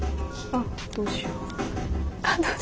あっどうしよう。